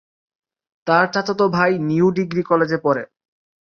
তার চাচাতো ভাই নিউ ডিগ্রি কলেজে পড়ে।